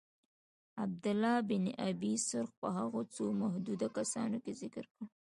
عبدالله بن ابی سرح په هغو څو محدودو کسانو کي ذکر کړ.